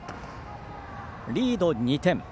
リード２点。